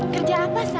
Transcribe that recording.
kerja apa sam